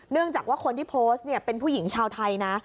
จากว่าคนที่โพสต์เป็นผู้หญิงชาวไทยนะ